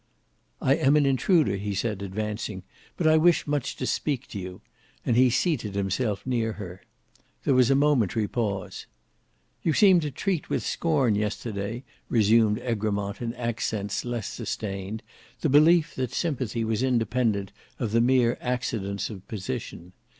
"I am an intruder," he said advancing, "but I wish much to speak to you," and he seated himself near her. There was a momentary pause. "You seemed to treat with scorn yesterday," resumed Egremont in accents less sustained, "the belief that sympathy was independent of the mere accidents of position.